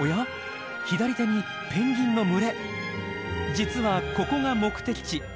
実はここが目的地。